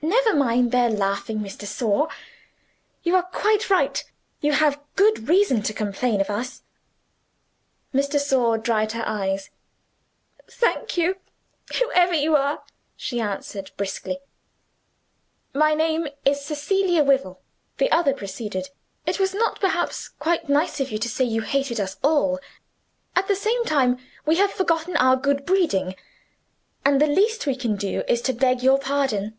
"Never mind their laughing, Miss de Sor. You are quite right, you have good reason to complain of us." Miss de Sor dried her eyes. "Thank you whoever you are," she answered briskly. "My name is Cecilia Wyvil," the other proceeded. "It was not, perhaps, quite nice of you to say you hated us all. At the same time we have forgotten our good breeding and the least we can do is to beg your pardon."